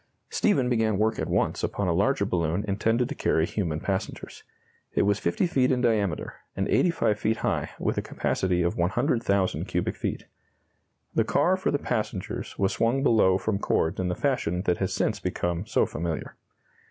Stephen began work at once upon a larger balloon intended to carry human passengers. It was fifty feet in diameter, and 85 feet high, with a capacity of 100,000 cubic feet. The car for the passengers was swung below from cords in the fashion that has since become so familiar.